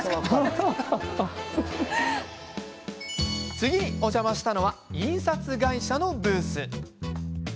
次にお邪魔したのは印刷会社のブース。